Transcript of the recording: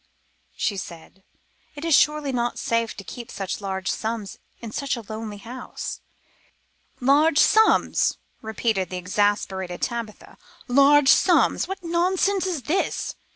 she said; "it is surely not safe to keep such large sums in such a lonely house." "Large sums!" repeated the exasperated Tabitha, "large sums! what nonsense is this?